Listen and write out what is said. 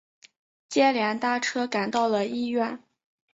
接连搭车赶到了医院